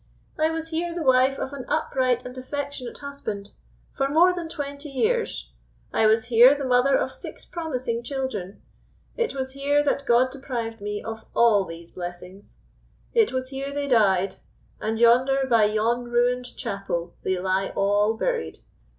I was here the wife of an upright and affectionate husband for more than twenty years; I was here the mother of six promising children; it was here that God deprived me of all these blessings; it was here they died, and yonder, by yon ruined chapel, they lie all buried.